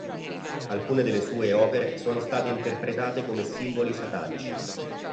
Alcune delle sue opere sono state interpretate come simboli satanici.